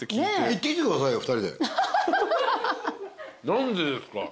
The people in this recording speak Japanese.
何でですか？